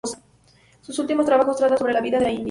Sus últimos trabajos tratan sobre la vida en la India.